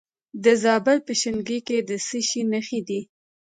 د زابل په شینکۍ کې د څه شي نښې دي؟